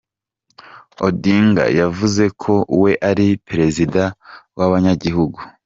Odinga yavuze ko we ari “ perezida w’abanyagihugu”